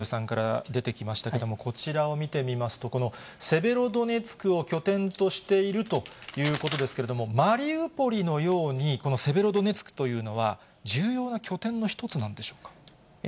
今、セベロドネツクという都市の名前が山添さんから出てきましたけれども、こちらを見てみますと、このセベロドネツクを拠点としているということですけれども、マリウポリのように、セベロドネツクというのは、重要な拠点の一つなんでしょうか。